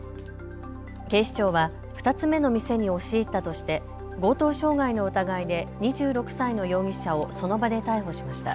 警視庁は２つ目の店に押し入ったとして強盗傷害の疑いで２６歳の容疑者をその場で逮捕しました。